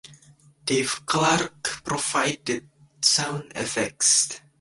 Dave Clarke provided sound effects.